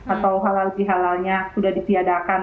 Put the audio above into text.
atau halal bihalalnya sudah ditiadakan